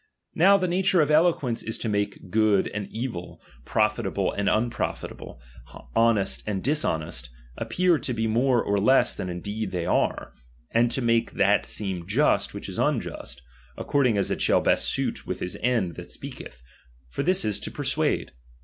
^^^«w the nature of eloquence is to make good and ^"9^11, profitable and unprojitable, honest and dis ^^^^nest, appear to be more or leas than indeed they ^* e ; and to make that seem just which is unjust, ^C2cording as it shall best suit with his end that t3eaketh : for this is to persuade.